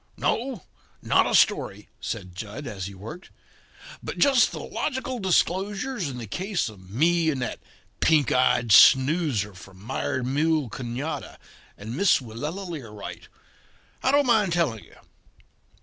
"No, not a story," said Jud, as he worked, "but just the logical disclosures in the case of me and that pink eyed snoozer from Mired Mule Canada and Miss Willella Learight. I don't mind telling you.